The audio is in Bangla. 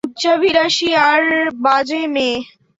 উচ্চাভিলাষী আর বাজে মেয়ে।